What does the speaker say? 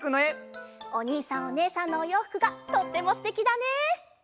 おにいさんおねえさんのおようふくがとってもすてきだね！